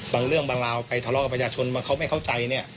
บางเรื่องบางราวไปทะเลาะกับประชาชนบางเขาไม่เข้าใจเนี่ย